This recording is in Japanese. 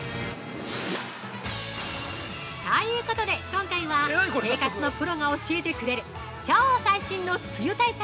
◆ということで、今回は生活のプロが教えてくれる超最新の梅雨対策